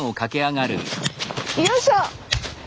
よいしょ！